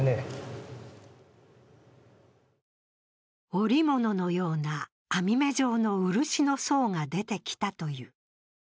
織物のような網目状の漆の層が出てきたという。